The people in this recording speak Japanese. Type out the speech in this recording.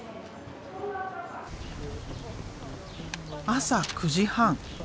朝９時半。